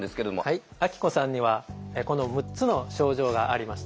はいあきこさんにはこの６つの症状がありました。